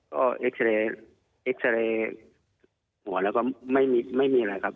ก็เอ็กซาเรย์เอ็กซาเรย์หัวแล้วก็ไม่มีอะไรครับ